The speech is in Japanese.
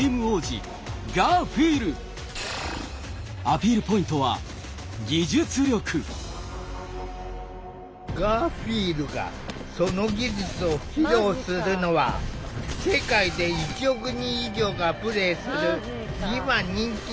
アピールポイントは技術力ガーフィールがその技術を披露するのは世界で１億人以上がプレイする今人気のシューティングゲーム。